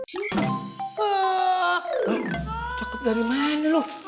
hah cakep dari mana lo